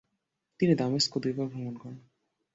তিনি দামেস্ক দুইবার ভ্রমণ করেন।